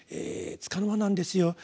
束の間なんですよ。